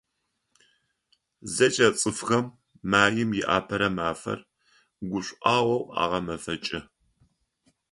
ЗэкӀэ цӀыфхэм Маим и Апэрэ мафэр гушӀуагъоу агъэмэфэкӀы.